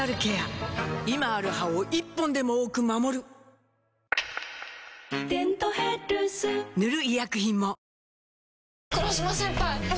今ある歯を１本でも多く守る「デントヘルス」塗る医薬品も